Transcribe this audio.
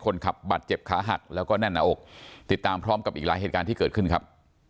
คนขับบัตรเจ็บขาหักแล้วก็แน่นหน้าอกติดตามพร้อมกับอีกหลายเหตุการณ์ที่เกิดขึ้นครับ